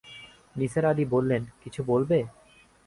নিসার আলি বললেন, কিছু বলবে?